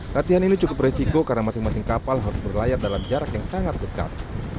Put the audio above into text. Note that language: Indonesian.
latihan ini cukup beresiko karena masing masing kapal harus berlayar dalam jarak yang sangat dekat